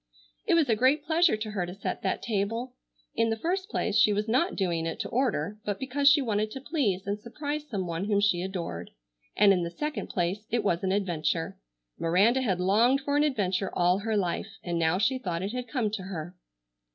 It was a great pleasure to her to set that table. In the first place she was not doing it to order but because she wanted to please and surprise some one whom she adored, and in the second place it was an adventure. Miranda had longed for an adventure all her life and now she thought it had come to her.